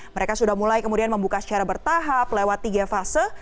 mereka sudah mulai kemudian membuka secara bertahap lewat tiga fase